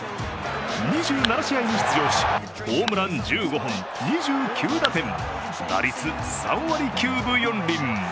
２７試合に出場し、ホームラン１５本、２９打点、打率３割９分４厘。